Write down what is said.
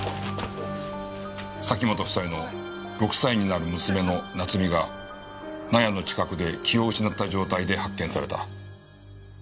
崎本夫妻の６歳になる娘の菜津美が納屋の近くで気を失った状態で発見された。